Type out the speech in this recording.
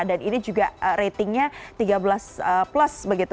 dan ini juga ratingnya tiga belas plus begitu